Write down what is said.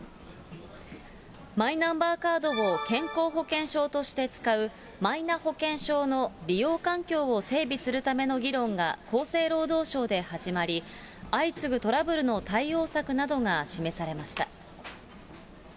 マイナンバーカードを健康保険証として使う、マイナ保険証の利用環境を整備するための議論が、厚生労働省で始まり、相次ぐトラブルの対応策などが示されました。